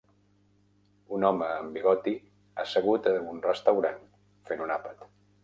Un home amb bigoti assegut en un restaurant fent un àpat